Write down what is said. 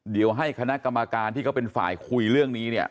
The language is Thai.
เดี๋ยวให้คณะกรรมการที่เขาเป็นฝ่ายคุยเรื่องนี้เนี่ย